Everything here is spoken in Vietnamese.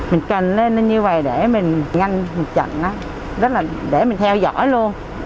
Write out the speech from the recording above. mình cần lên như vầy để mình nhanh một trận để mình theo dõi luôn